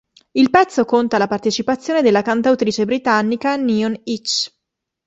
Il pezzo conta la partecipazione della cantautrice britannica Neon Hitch.